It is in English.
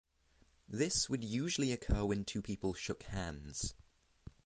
This would usually occur when two people shook hands.